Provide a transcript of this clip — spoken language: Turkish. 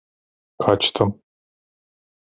Kaçtım.